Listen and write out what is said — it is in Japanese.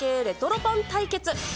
レトロパン対決。